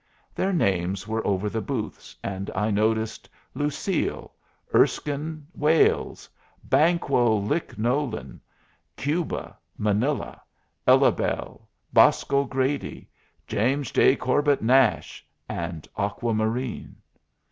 Their names were over the booths, and I noticed Lucille, Erskine Wales, Banquo Lick Nolin, Cuba, Manilla, Ellabelle, Bosco Grady, James J. Corbett Nash, and Aqua Marine.